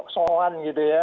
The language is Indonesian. soalan gitu ya